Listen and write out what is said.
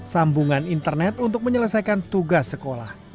sambungan internet untuk menyelesaikan tugas sekolah